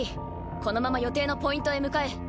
このまま予定のポイントへ向かえ。